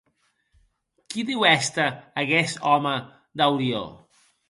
Qui deu èster aguest òme d’auriò?